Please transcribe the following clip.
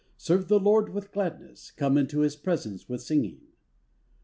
Serve the Lord with gladness: Come unto his presence with singing.